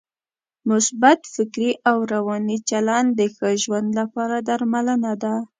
مثبت فکري او روانی چلند د ښه ژوند لپاره درملنه ده.